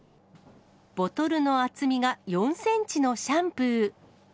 ボトルの厚みが４センチのシャンプー。